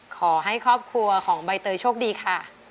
ขอให้ครอบครัวของใบเตยโชคดีค่ะ